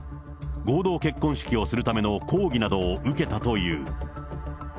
合同結婚式をするための講義などを受けたという。